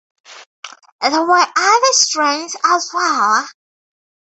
There were other strains as well.